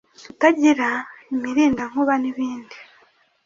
kutagira imirindankuba n’ibindi